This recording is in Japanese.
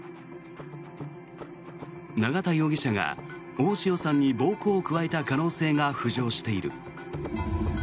永田容疑者が大塩さんに暴行を加えた可能性が浮上している。